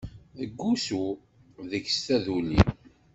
Deg-s usu, deg-s taduli.